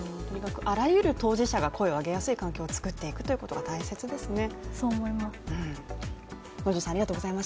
あらゆる当事者が声を上げやすい環境を作っていくことが大切ですね。